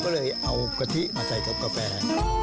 ก็เลยเอากะทิมาใส่กับกาแฟ